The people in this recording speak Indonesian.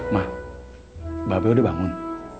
ma babe udah bangun